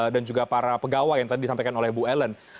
dan juga para pegawai yang tadi disampaikan oleh bu ellen